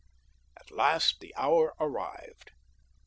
At last the hour arrived.